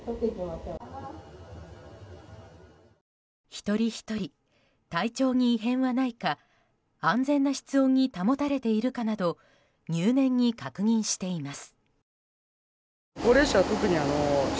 一人ひとり体調に異変はないか安全な室温に保たれているかなど入念に確認しています。